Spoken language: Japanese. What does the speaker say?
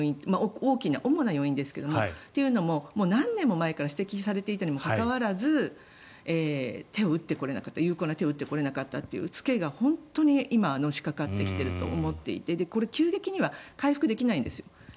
大きな主な要因ですがというのも何年も前から指摘されていたにもかかわらず有効な手を打ってこれなかったという付けが本当に今のしかかってきていると思っていてこれ、急激には回復できないんです。